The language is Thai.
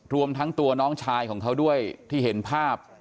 รวมทั้งตัวน้องชายของเขาด้วยที่เห็นภาพ